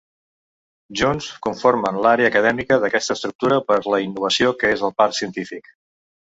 Junts conformen l’àrea acadèmica d’aquesta estructura per a la innovació que és el Parc Científic.